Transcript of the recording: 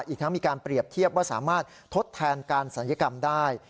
อีกทั้งมีการเปรียบเทียบว่าสามารถทดแทนการศัลยกรรมได้